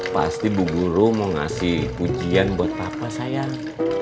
pasti bu guru mau ngasih pujian buat papa sayang